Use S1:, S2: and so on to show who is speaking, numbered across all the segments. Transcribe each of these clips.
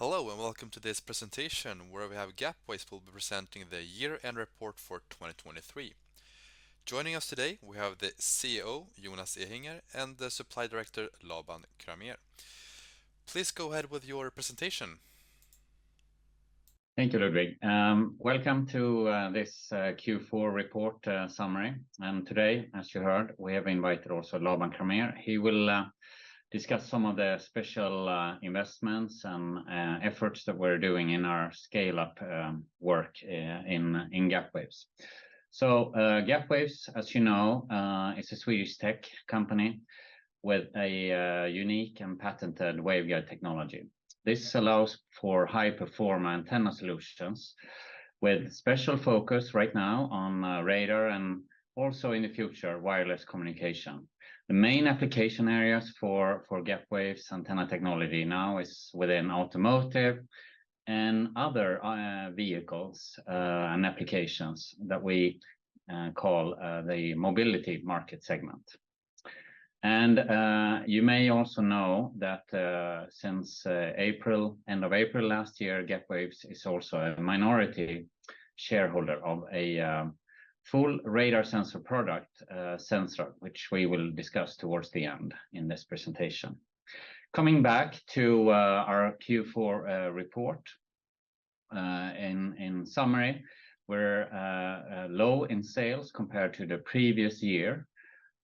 S1: Hello, and welcome to this presentation, where Gapwaves will be presenting the year-end report for 2023. Joining us today, we have the CEO, Jonas Ehinger, and the Supply Director, Laban Cramér. Please go ahead with your presentation.
S2: Thank you, Ludwig. Welcome to this Q4 report summary. Today, as you heard, we have invited also Laban Cramér. He will discuss some of the special investments and efforts that we're doing in our scale-up work in Gapwaves. Gapwaves, as you know, is a Swedish tech company with a unique and patented waveguide technology. This allows for high-perform antenna solutions, with special focus right now on radar, and also in the future, wireless communication. The main application areas for Gapwaves antenna technology now is within automotive and other vehicles and applications that we call the mobility market segment. You may also know that since April, end of April last year, Gapwaves is also a minority shareholder of a full radar sensor product, sensor, which we will discuss towards the end in this presentation. Coming back to our Q4 report, in summary, we're low in sales compared to the previous year.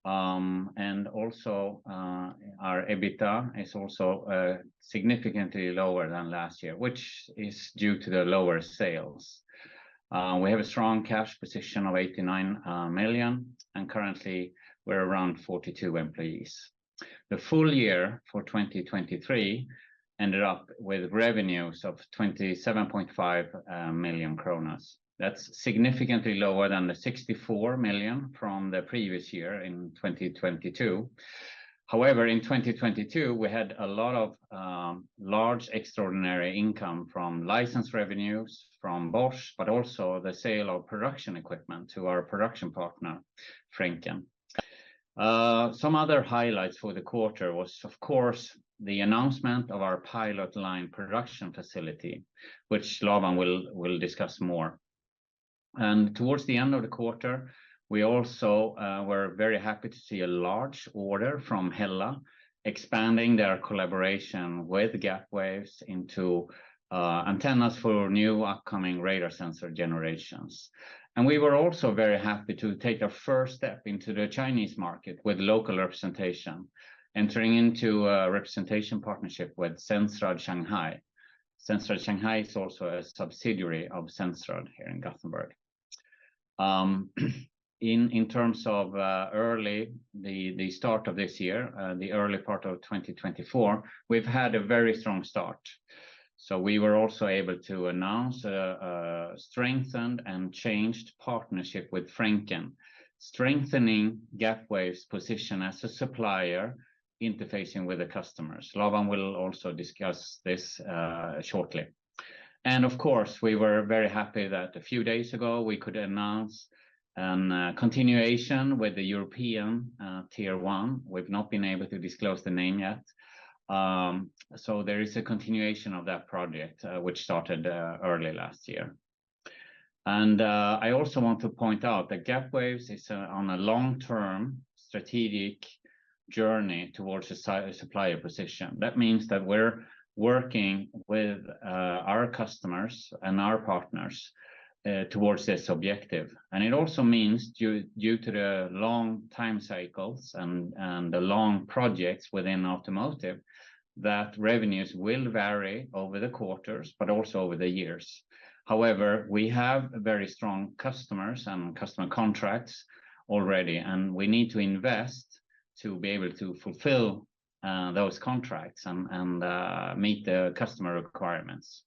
S2: And also, our EBITDA is also significantly lower than last year, which is due to the lower sales. We have a strong cash position of 89 million, and currently we're around 42 employees. The full year for 2023 ended up with revenues of 27.5 million kronor. That's significantly lower than the 64 million from the previous year in 2022. However, in 2022, we had a lot of large extraordinary income from license revenues from Bosch, but also the sale of production equipment to our production partner, Frencken. Some other highlights for the quarter was, of course, the announcement of our pilot line production facility, which Laban will discuss more. And towards the end of the quarter, we also were very happy to see a large order from Hella, expanding their collaboration with Gapwaves into antennas for new upcoming radar sensor generations. And we were also very happy to take a first step into the Chinese market with local representation, entering into a representation partnership with SensRad Shanghai. SensRad Shanghai is also a subsidiary of SensRad here in Gothenburg. In terms of the start of this year, the early part of 2024, we've had a very strong start. So we were also able to announce a strengthened and changed partnership with Frencken, strengthening Gapwaves' position as a supplier interfacing with the customers. Laban will also discuss this shortly. And of course, we were very happy that a few days ago we could announce a continuation with the European Tier 1. We've not been able to disclose the name yet. So there is a continuation of that project, which started early last year. And I also want to point out that Gapwaves is on a long-term strategic journey towards a supplier position. That means that we're working with our customers and our partners towards this objective. And it also means due to the long time cycles and the long projects within automotive, that revenues will vary over the quarters, but also over the years. However, we have very strong customers and customer contracts already, and we need to invest to be able to fulfill those contracts and meet the customer requirements.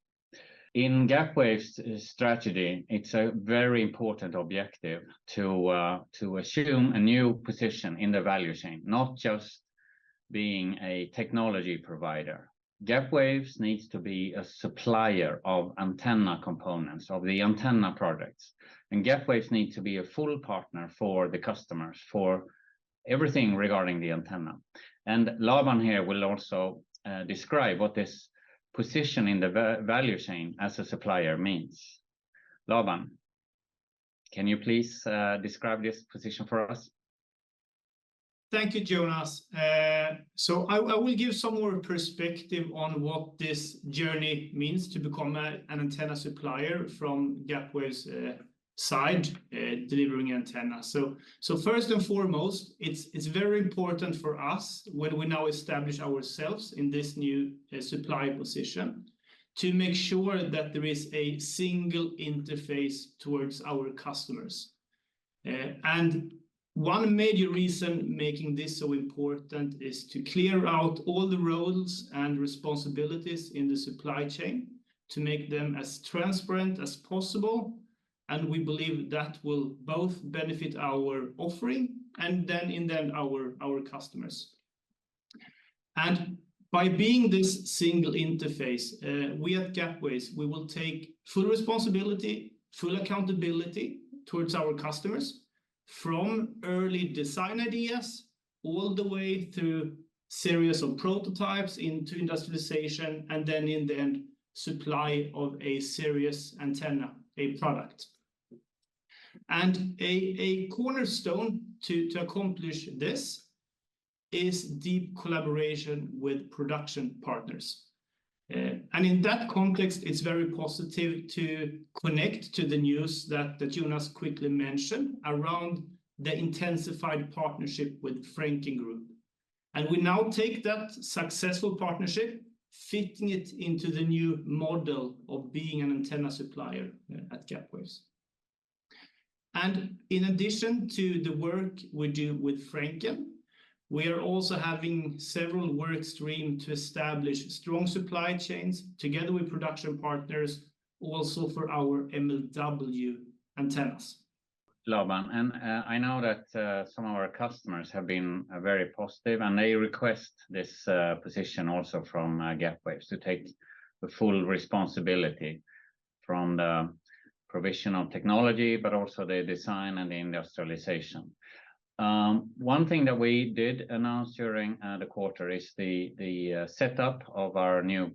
S2: In Gapwaves' strategy, it's a very important objective to assume a new position in the value chain, not just being a technology provider. Gapwaves needs to be a supplier of antenna components, of the antenna products, and Gapwaves need to be a full partner for the customers, for everything regarding the antenna. And Laban here will also describe what this position in the value chain as a supplier means. Laban, can you please describe this position for us?
S3: Thank you, Jonas. So I will give some more perspective on what this journey means to become a, an antenna supplier from Gapwaves' side, delivering antenna. So first and foremost, it's very important for us, when we now establish ourselves in this new supplier position, to make sure that there is a single interface towards our customers. And one major reason making this so important is to clear out all the roles and responsibilities in the supply chain, to make them as transparent as possible, and we believe that will both benefit our offering, and then in turn, our customers. And by being this single interface, we at Gapwaves will take full responsibility, full accountability towards our customers. From early design ideas all the way through series of prototypes into industrialization, and then in the end, supply of a serious antenna, a product. A cornerstone to accomplish this is deep collaboration with production partners. In that context, it's very positive to connect to the news that Jonas quickly mentioned around the intensified partnership with Frencken Group. We now take that successful partnership, fitting it into the new model of being an antenna supplier at Gapwaves. In addition to the work we do with Frencken, we are also having several work stream to establish strong supply chains, together with production partners, also for our MLW antennas.
S2: Laban, and I know that some of our customers have been very positive, and they request this position also from Gapwaves to take the full responsibility from the provision of technology, but also the design and the industrialization. One thing that we did announce during the quarter is the setup of our new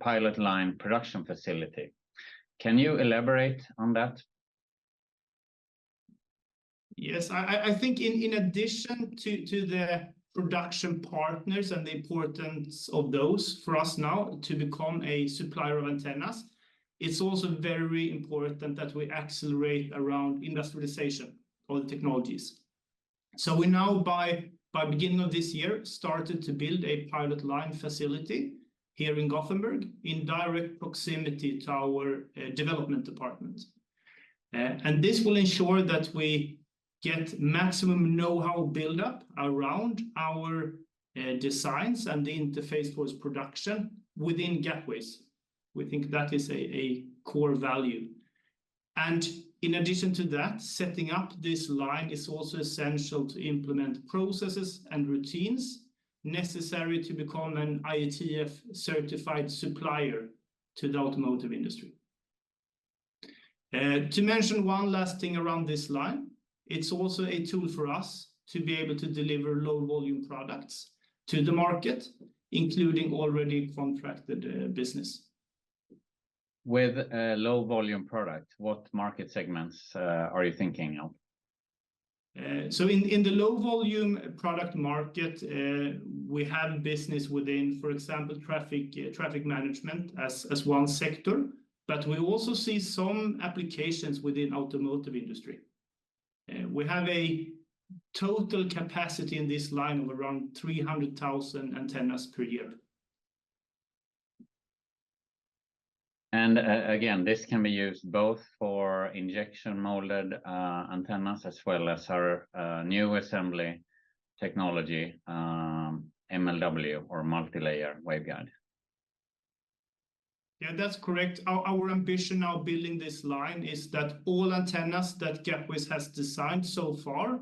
S2: pilot line production facility. Can you elaborate on that?
S3: Yes, I think in addition to the production partners and the importance of those for us now to become a supplier of antennas, it's also very important that we accelerate around industrialization of the technologies. So we now, by beginning of this year, started to build a pilot line facility here in Gothenburg, in direct proximity to our development department. And this will ensure that we get maximum know-how build-up around our designs and the interface for production within Gapwaves. We think that is a core value. And in addition to that, setting up this line is also essential to implement processes and routines necessary to become an IATF-certified supplier to the automotive industry. To mention one last thing around this line, it's also a tool for us to be able to deliver low-volume products to the market, including already contracted business.
S2: With a low-volume product, what market segments are you thinking of?
S3: So in the low-volume product market, we have business within, for example, traffic management as one sector, but we also see some applications within automotive industry. We have a total capacity in this line of around 300,000 antennas per year.
S2: Again, this can be used both for injection molded antennas, as well as our new assembly technology, MLW or Multi-Layer Waveguide.
S3: Yeah, that's correct. Our ambition now building this line is that all antennas that Gapwaves has designed so far,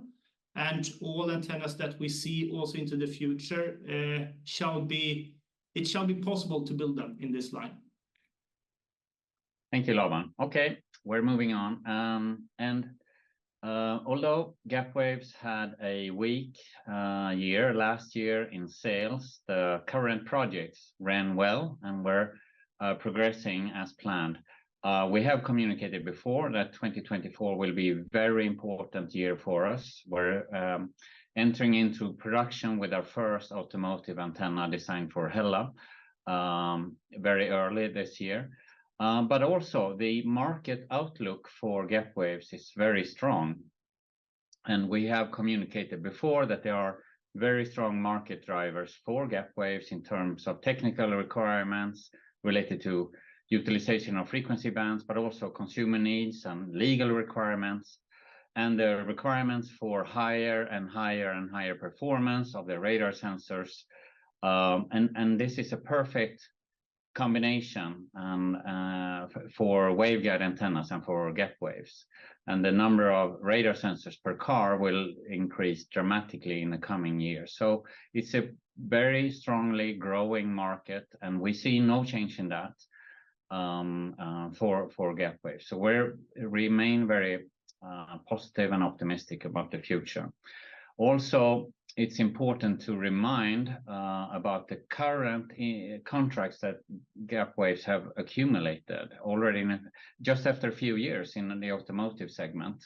S3: and all antennas that we see also into the future shall be... It shall be possible to build them in this line.
S2: Thank you, Laban. Okay, we're moving on. And, although Gapwaves had a weak year last year in sales, the current projects ran well and were progressing as planned. We have communicated before that 2024 will be a very important year for us. We're entering into production with our first automotive antenna design for Hella very early this year. But also the market outlook for Gapwaves is very strong, and we have communicated before that there are very strong market drivers for Gapwaves in terms of technical requirements related to utilization of frequency bands, but also consumer needs and legal requirements, and the requirements for higher and higher, and higher performance of the radar sensors. And this is a perfect combination for waveguide antennas and for Gapwaves. The number of radar sensors per car will increase dramatically in the coming years. So it's a very strongly growing market, and we see no change in that for Gapwaves. So we remain very positive and optimistic about the future. Also, it's important to remind about the current contracts that Gapwaves have accumulated already in just after a few years in the automotive segment.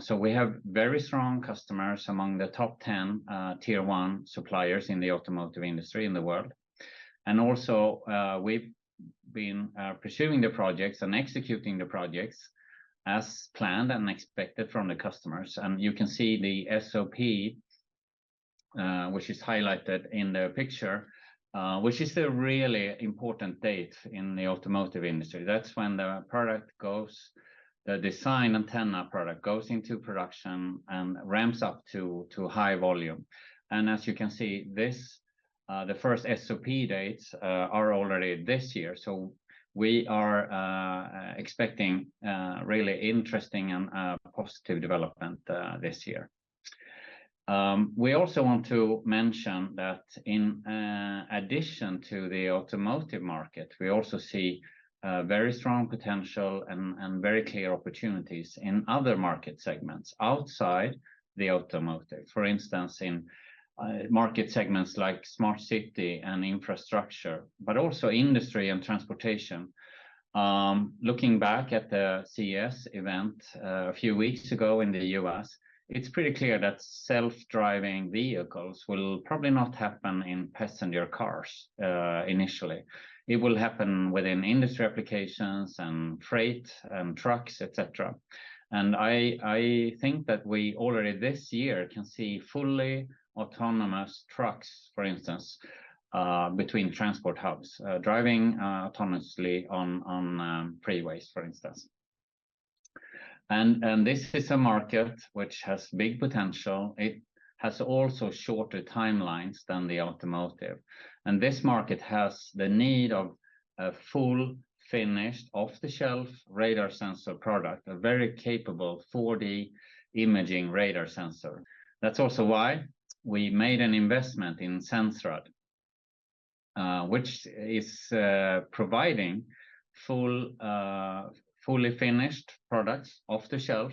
S2: So we have very strong customers among the top 10 Tier 1 suppliers in the automotive industry in the world. And also, we've been pursuing the projects and executing the projects as planned and expected from the customers. And you can see the SOP, which is highlighted in the picture, which is a really important date in the automotive industry. That's when the product goes, the design antenna product goes into production and ramps up to high volume. As you can see, the first SOP dates are already this year, so we are expecting a really interesting and positive development this year. We also want to mention that in addition to the automotive market, we also see very strong potential and very clear opportunities in other market segments outside the automotive. For instance, in market segments like smart city and infrastructure, but also industry and transportation. Looking back at the CES event a few weeks ago in the U.S., it's pretty clear that self-driving vehicles will probably not happen in passenger cars initially. It will happen within industry applications and freight and trucks, et cetera. And I think that we already this year can see fully autonomous trucks, for instance, between transport hubs, driving autonomously on freeways, for instance. And this is a market which has big potential. It has also shorter timelines than the automotive, and this market has the need of a full, finished, off-the-shelf radar sensor product, a very capable 4D imaging radar sensor. That's also why we made an investment in SensRad, which is providing full, fully finished products off the shelf,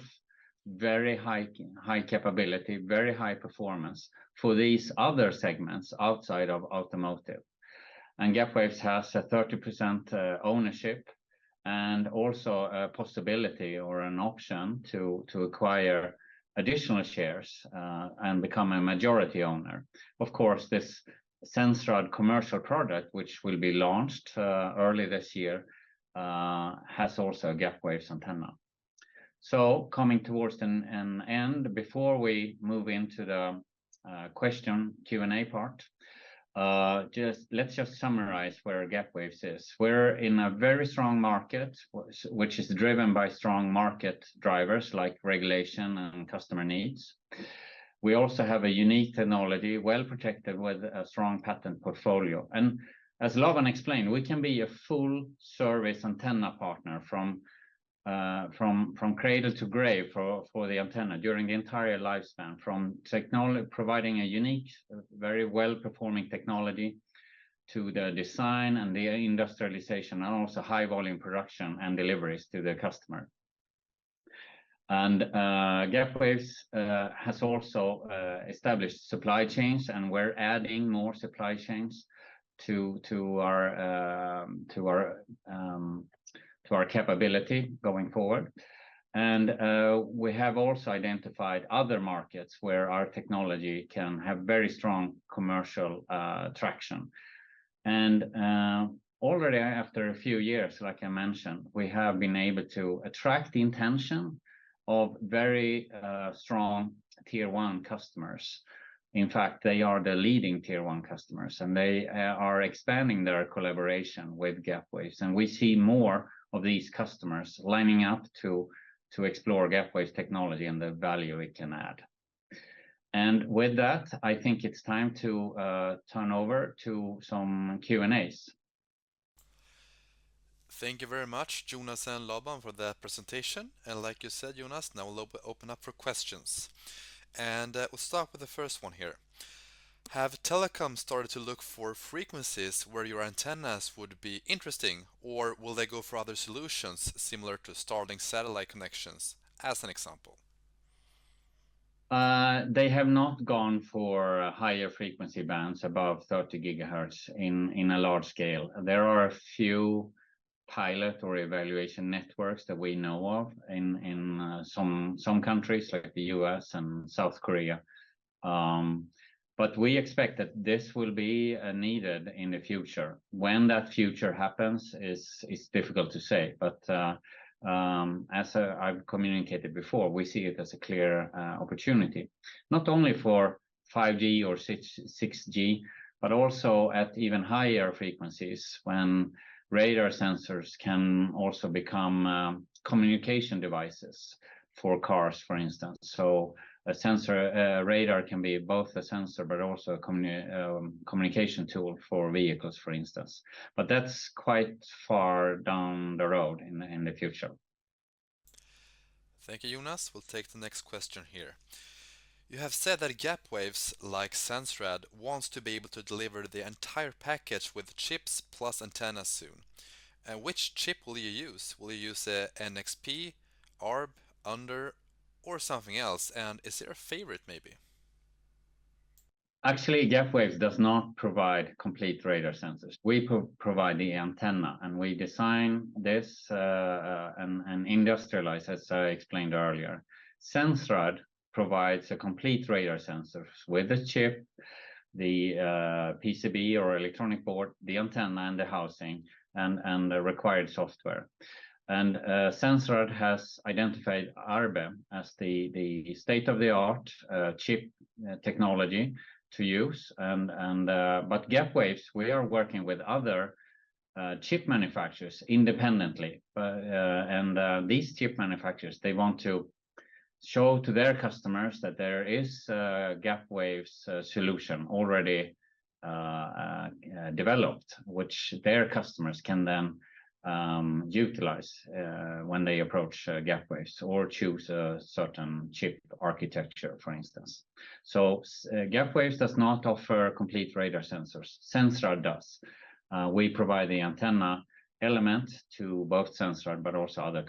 S2: very high capability, very high performance for these other segments outside of automotive. And Gapwaves has a 30% ownership and also a possibility or an option to acquire additional shares and become a majority owner. Of course, this SensRad commercial product, which will be launched early this year, has also a Gapwaves antenna. So coming towards an end, before we move into the question, Q&A part, let's just summarize where Gapwaves is. We're in a very strong market, which is driven by strong market drivers, like regulation and customer needs. We also have a unique technology, well-protected with a strong patent portfolio. And as Laban explained, we can be a full-service antenna partner from cradle to grave for the antenna during the entire lifespan, from providing a unique, very well-performing technology, to the design and the industrialization, and also high-volume production and deliveries to the customer. Gapwaves has also established supply chains, and we're adding more supply chains to our capability going forward. We have also identified other markets where our technology can have very strong commercial traction. Already after a few years, like I mentioned, we have been able to attract the attention of very strong Tier 1 customers. In fact, they are the leading Tier 1 customers, and they are expanding their collaboration with Gapwaves. We see more of these customers lining up to explore Gapwaves' technology and the value it can add. With that, I think it's time to turn over to some Q&As.
S1: Thank you very much, Jonas and Laban, for that presentation. Like you said, Jonas, now we'll open up for questions. We'll start with the first one here. Have telecom started to look for frequencies where your antennas would be interesting, or will they go for other solutions similar to Starlink satellite connections, as an example?
S2: They have not gone for higher frequency bands above 30 gigahertz in a large scale. There are a few pilot or evaluation networks that we know of in some countries, like the U.S. and South Korea. But we expect that this will be needed in the future. When that future happens is difficult to say, but as I, I've communicated before, we see it as a clear opportunity, not only for 5G or 6G, but also at even higher frequencies, when radar sensors can also become communication devices for cars, for instance. So a sensor radar can be both a sensor but also a communication tool for vehicles, for instance. But that's quite far down the road in the future.
S1: Thank you, Jonas. We'll take the next question here. You have said that Gapwaves, like SensRad, wants to be able to deliver the entire package with chips plus antennas soon. And which chip will you use? Will you use a NXP, Arbe, Uhnder or something else, and is there a favorite, maybe?
S2: Actually, Gapwaves does not provide complete radar sensors. We provide the antenna, and we design this, and industrialize, as I explained earlier. SensRad provides a complete radar sensor with a chip, the PCB or electronic board, the antenna and the housing, and the required software. And SensRad has identified Arbe as the state-of-the-art chip technology to use. And but Gapwaves, we are working with other chip manufacturers independently. And these chip manufacturers, they want to show to their customers that there is a Gapwaves solution already developed, which their customers can then utilize when they approach Gapwaves or choose a certain chip architecture, for instance. So Gapwaves does not offer complete radar sensors. SensRad does. We provide the antenna element to both SensRad, but also other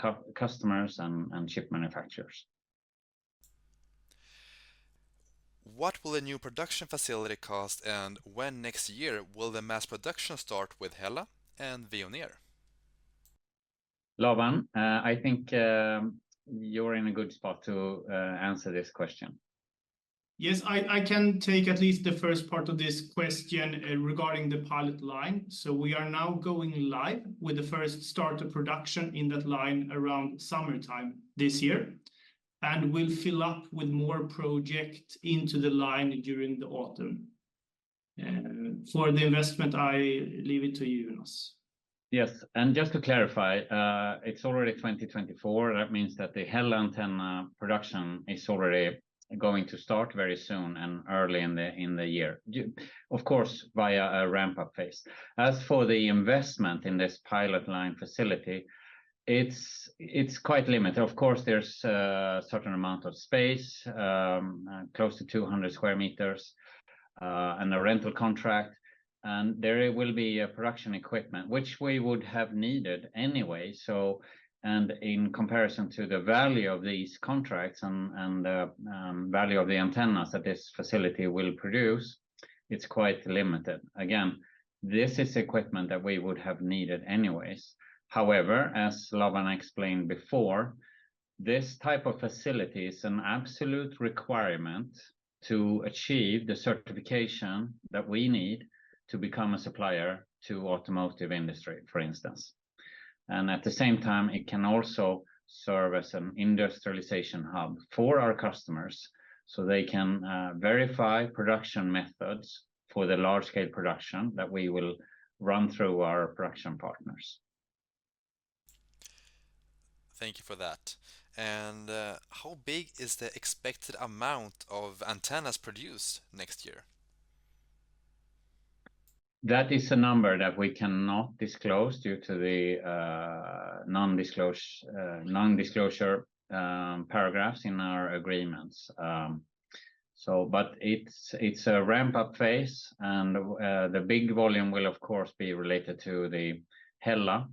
S2: customers and chip manufacturers.
S1: What will the new production facility cost, and when next year will the mass production start with Hella and Veoneer?
S2: Laban, I think you're in a good spot to answer this question.
S3: Yes, I can take at least the first part of this question, regarding the pilot line. So we are now going live with the first start of production in that line around summertime this year, and we'll fill up with more project into the line during the autumn. For the investment, I leave it to you, Jonas.
S2: Yes, and just to clarify, it's already 2024. That means that the Hella antenna production is already going to start very soon and early in the year. Of course, via a ramp-up phase. As for the investment in this pilot line facility, it's quite limited. Of course, there's a certain amount of space, close to 200 square meters, and a rental contract, and there will be a production equipment, which we would have needed anyway. And in comparison to the value of these contracts and the value of the antennas that this facility will produce, it's quite limited. Again, this is equipment that we would have needed anyways. However, as Laban explained before, this type of facility is an absolute requirement to achieve the certification that we need to become a supplier to automotive industry, for instance. At the same time, it can also serve as an industrialization hub for our customers, so they can verify production methods for the large-scale production that we will run through our production partners.
S1: Thank you for that. How big is the expected amount of antennas produced next year?
S2: That is a number that we cannot disclose due to the non-disclosure paragraphs in our agreements. So but it's a ramp-up phase, and the big volume will, of course, be related to the Hella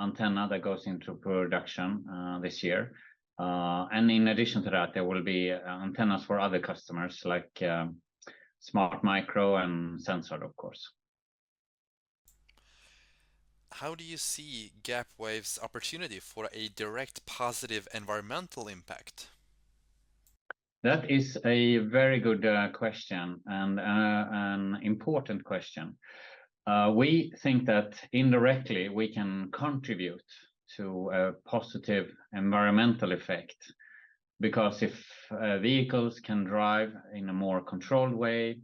S2: antenna that goes into production this year. And in addition to that, there will be antennas for other customers, like smartmicro and SensRad, of course.
S1: How do you see Gapwaves' opportunity for a direct, positive environmental impact?
S2: That is a very good question, and an important question. We think that indirectly, we can contribute to a positive environmental effect, because if vehicles can drive in a more controlled way,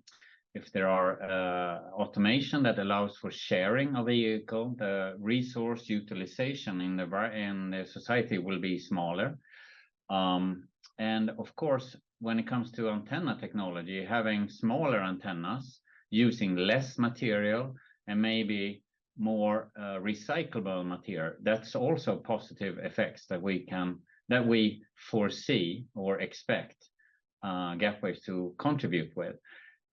S2: if there are automation that allows for sharing a vehicle, the resource utilization in the society will be smaller. And of course, when it comes to antenna technology, having smaller antennas, using less material, and maybe more recyclable material, that's also positive effects that we foresee or expect Gapwaves to contribute with.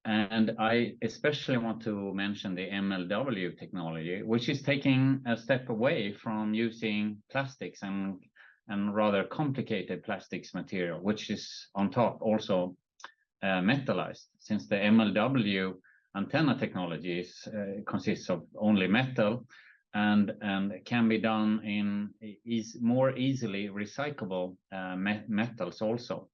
S2: And I especially want to mention the MLW technology, which is taking a step away from using plastics and rather complicated plastics material, which is on top also metalized. Since the MLW antenna technologies consists of only metal and can be done in more easily recyclable metals also.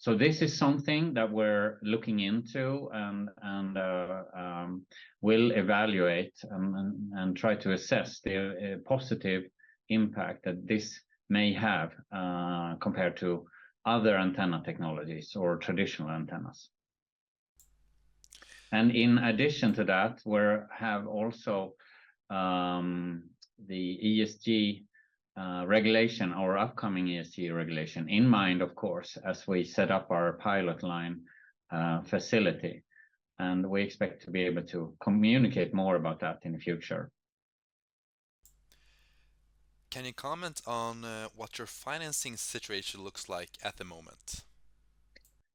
S2: So this is something that we're looking into and will evaluate and try to assess the positive impact that this may have compared to other antenna technologies or traditional antennas. And in addition to that, we're have also the ESG regulation, or upcoming ESG regulation in mind, of course, as we set up our pilot line facility, and we expect to be able to communicate more about that in the future.
S1: Can you comment on, what your financing situation looks like at the moment?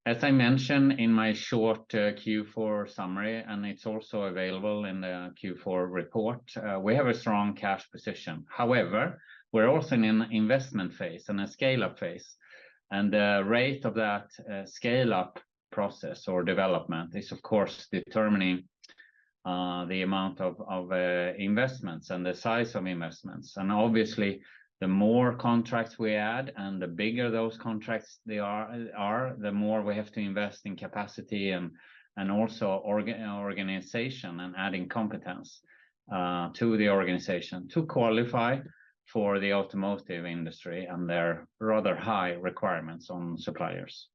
S2: As I mentioned in my short Q4 summary, and it's also available in the Q4 report, we have a strong cash position. However, we're also in an investment phase and a scale-up phase, and the rate of that scale-up process or development is of course determining the amount of investments and the size of investments. Obviously, the more contracts we add and the bigger those contracts they are, are, the more we have to invest in capacity and also organization and adding competence to the organization to qualify for the automotive industry and their rather high requirements on suppliers.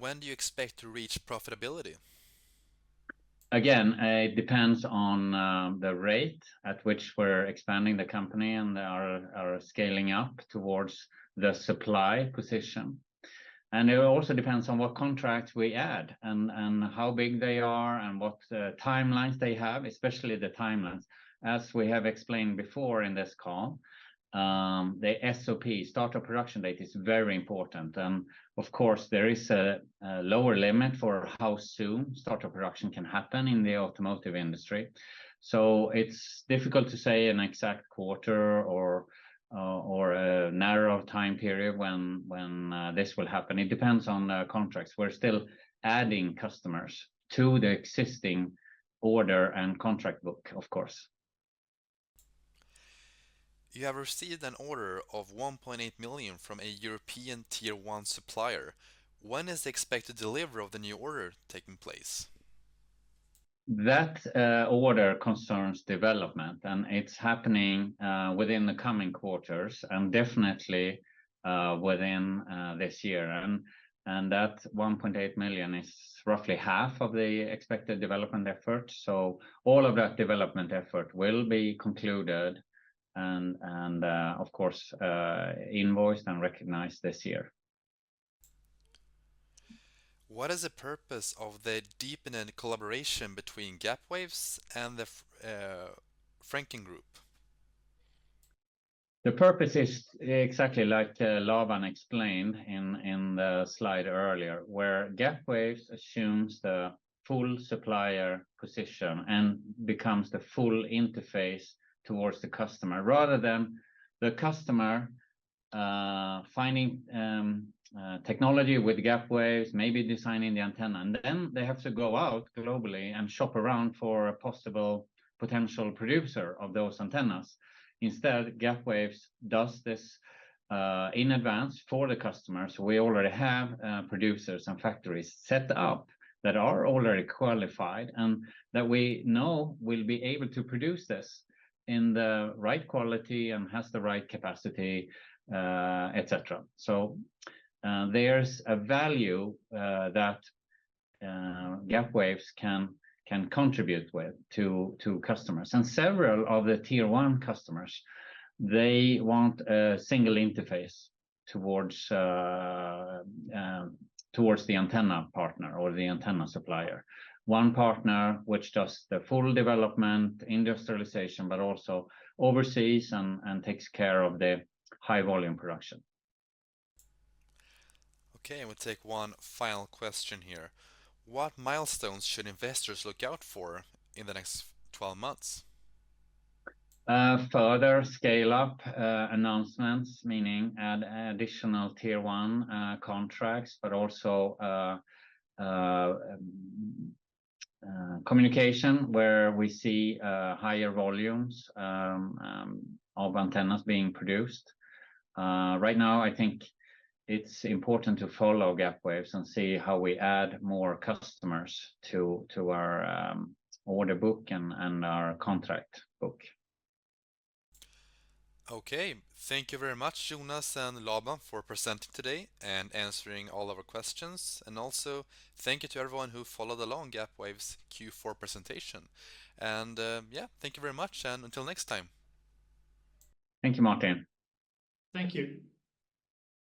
S1: When do you expect to reach profitability?
S2: Again, it depends on the rate at which we're expanding the company and are scaling up towards the supply position. It also depends on what contracts we add, and how big they are, and what timelines they have, especially the timelines. As we have explained before in this call, the SOP, start of production date, is very important. Of course, there is a lower limit for how soon start of production can happen in the automotive industry. So it's difficult to say an exact quarter or a narrow time period when this will happen. It depends on the contracts. We're still adding customers to the existing order and contract book, of course.
S1: You have received an order of 1.8 million from a European Tier 1 supplier. When is the expected delivery of the new order taking place?
S2: That order concerns development, and it's happening within the coming quarters and definitely within this year. That 1.8 million is roughly half of the expected development effort. All of that development effort will be concluded and of course invoiced and recognized this year.
S1: What is the purpose of the deepened collaboration between Gapwaves and the Frencken Group?
S2: The purpose is exactly like Laban explained in the slide earlier, where Gapwaves assumes the full supplier position and becomes the full interface towards the customer, rather than the customer finding technology with Gapwaves, maybe designing the antenna, and then they have to go out globally and shop around for a possible potential producer of those antennas. Instead, Gapwaves does this in advance for the customer. So we already have producers and factories set up that are already qualified and that we know will be able to produce this in the right quality and has the right capacity, et cetera. So there's a value that Gapwaves can contribute with to customers. And several of the Tier 1 customers, they want a single interface towards the antenna partner or the antenna supplier. One partner which does the full development, industrialization, but also oversees and takes care of the high-volume production.
S1: Okay, we'll take one final question here. What milestones should investors look out for in the next 12 months?
S2: Further scale-up announcements, meaning add additional Tier 1 contracts, but also communication, where we see higher volumes of antennas being produced. Right now, I think it's important to follow Gapwaves and see how we add more customers to our order book and our contract book.
S1: Okay. Thank you very much, Jonas and Laban, for presenting today and answering all of our questions. Yeah, thank you very much, and until next time.
S2: Thank you, Martin.
S3: Thank you.